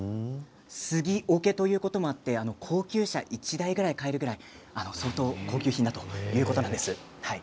素材が杉でできていまして杉おけということもあって高級車１台ぐらい買えるぐらい相当高級品だということです。